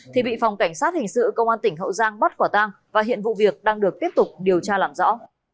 thì bị phòng cảnh sát hình sự công an tỉnh hậu giang bắt quả tang và hiện vụ việc đang được tiếp tục điều tra làm rõ